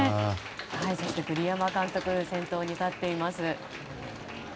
そして栗山監督先頭に立っています。